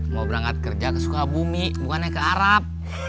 mau berangkat kerja ke sukabumi bukannya ke arab